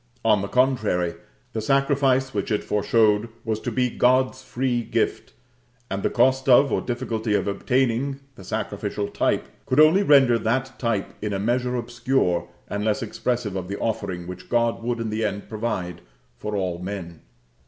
On the contrary, the sacrifice which it foreshowed was to be God's free gift; and the cost of, or difficulty of obtaining, the sacrificial type, could only render that type in a measure obscure, and less expressive of the offering which God would in the end provide for all men.